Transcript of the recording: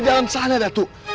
dalam sana datuk